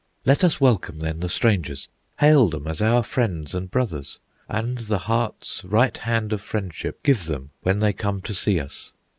"Let us welcome, then, the strangers, Hail them as our friends and brothers, And the heart's right hand of friendship Give them when they come to see us.